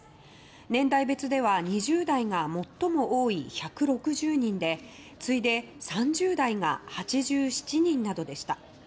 年代別では２０代が最も多い１６０人で次いで３０代が８７人などでした。